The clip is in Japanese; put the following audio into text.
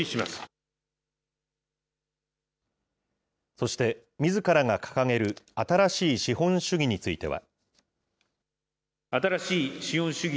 そして、みずからが掲げる、新しい資本主義については。